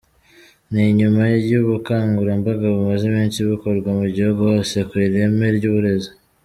Ni nyuma y’ ubukangurambaga bumaze iminsi bukorwa mu gihugu hose ku ireme ry’ uburezi.